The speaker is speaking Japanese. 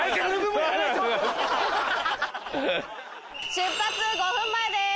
出発５分前です！